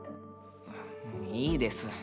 いいです。